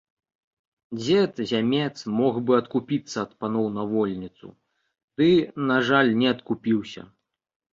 Дзед зямец мог бы адкупіцца ад паноў на вольніцу, ды, на жаль, не адкупіўся.